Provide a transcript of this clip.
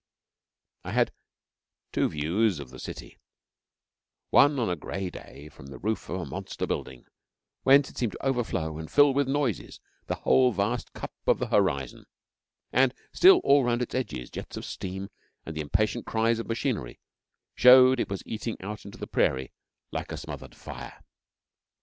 I had two views of the city one on a gray day from the roof of a monster building, whence it seemed to overflow and fill with noises the whole vast cup of the horizon; and still, all round its edge, jets of steam and the impatient cries of machinery showed it was eating out into the Prairie like a smothered fire.